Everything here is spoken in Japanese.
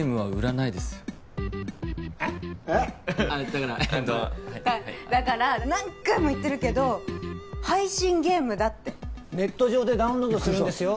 だからだから何回も言ってるけど配信ゲームだってネット上でダウンロードするんですよ